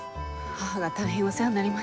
母が大変お世話になりました。